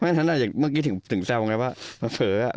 เพราะฉะนั้นอ่ะอย่างเมื่อกี้ถึงถึงแซวไงว่าเผลอเผลออ่ะ